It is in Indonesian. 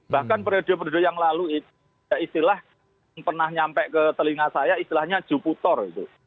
bahkan periode periode yang lalu itu istilah yang pernah nyampe ke telinga saya istilahnya juputor itu